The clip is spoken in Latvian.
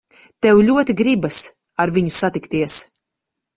Tev ļoti gribas ar viņu satikties.